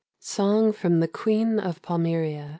SONG FROM 'THE QUEEN OF PALMYRIA.'